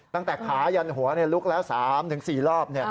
ตั้งแต่ขายันหัวลุกแล้ว๓๔รอบ